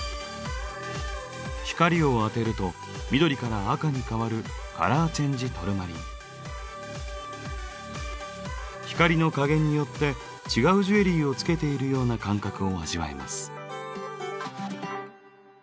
光を当てると緑から赤に変わる光の加減によって違うジュエリーをつけているような感覚を味わえます。